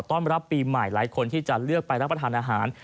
รับปีใหม่หลายคนที่จะเลือกไปรับประทานอาหาร